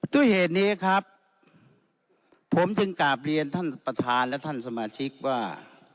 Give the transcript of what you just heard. ด้วยเหตุนี้ครับผมจึงกราบเรียนท่านประธานและท่านสมาชิกว่า